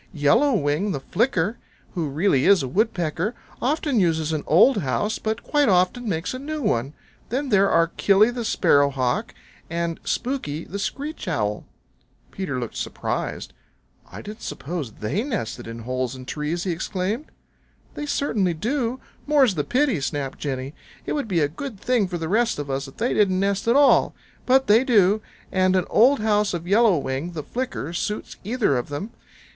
Yellow Wing the flicker, who really is a Woodpecker, often uses an old house, but quite often makes a new one. Then there are Killy the Sparrow Hawk and Spooky the Screech Owl." Peter looked surprised. "I didn't suppose THEY nested in holes in trees!" he exclaimed. "They certainly do, more's the pity!" snapped Jenny. "It would be a good thing for the rest of us if they didn't nest at all. But they do, and an old house of Yellow Wing the Flicker suits either of them.